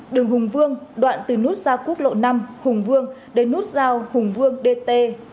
đường hùng vương đoạn từ nút giao quốc lộ năm hùng vương đến nút giao hùng vương dt ba trăm năm mươi một